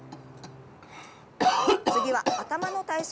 次は頭の体操です。